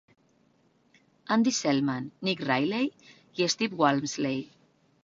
Andy Selman, Nick Riley i Steve Walmsley.